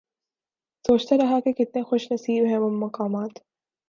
سوچتا رہا کہ کتنے خوش نصیب ہیں وہ مقامات